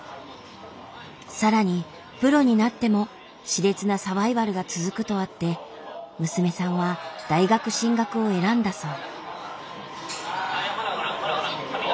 さらにプロになっても熾烈なサバイバルが続くとあって娘さんは大学進学を選んだそう。